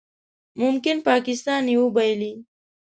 ممکن پاکستان یې وبایلي